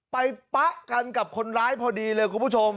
ไปป๊ะกันกับคนร้ายพอดีเลยครับเครื่องผู้ชม